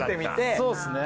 そうっすね。